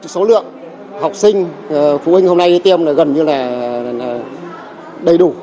số lượng học sinh phụ huynh hôm nay đi tiêm là gần như là đầy đủ